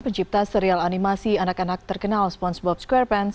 pencipta serial animasi anak anak terkenal spongebob squarepans